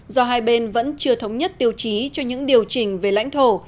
do hai bên vẫn chưa thống nhất tiêu chí cho những điều chỉnh về lãnh thổ